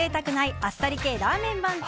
あっさり系ラーメン番付。